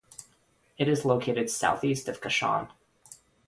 It is located south-east of Kashan.